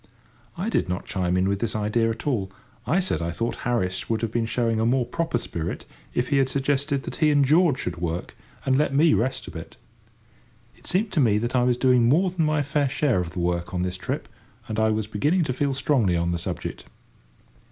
I did not chime in with this idea at all; I said I thought Harris would have been showing a more proper spirit if he had suggested that he and George should work, and let me rest a bit. It seemed to me that I was doing more than my fair share of the work on this trip, and I was beginning to feel strongly on the subject.